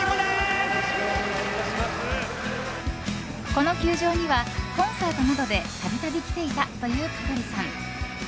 この球場にはコンサートなどで度々来ていたという香取さん。